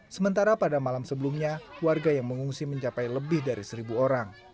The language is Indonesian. sementara pada malam sebelumnya warga yang mengungsi mencapai lebih dari seribu orang